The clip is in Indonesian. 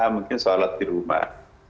mungkin salat di rumah